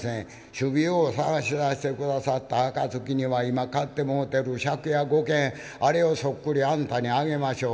首尾よう捜し出して下さった暁には今借ってもうてる借家５軒あれをそっくりあんたにあげましょう。